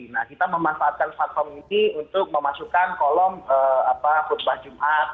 nah kita memanfaatkan platform ini untuk memasukkan kolom khutbah jumat